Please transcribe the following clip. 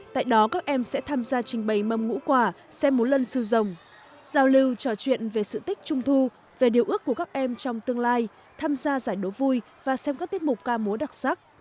tại đó các em sẽ tham gia trình bày mâm ngũ quả xem múa lân sư rồng giao lưu trò chuyện về sự tích trung thu về điều ước của các em trong tương lai tham gia giải đấu vui và xem các tiết mục ca múa đặc sắc